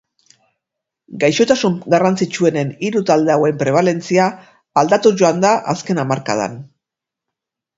Gaixotasun garrantzitsuenen hiru talde hauen prebalentzia aldatuz joan da azken hamarkadan.